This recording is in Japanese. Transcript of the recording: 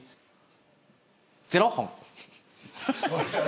０本！